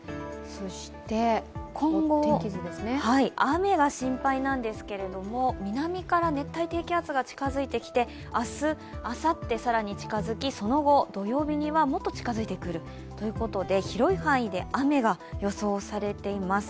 今後、雨が心配なんですけれども、南から熱帯低気圧が近づいてきて、明日、あさって更に近づき、その後土曜日にはもっと近づいてくるということで、広い範囲で雨が予想されています。